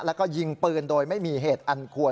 แล้วก็ยิงปืนโดยไม่มีเหตุอันควร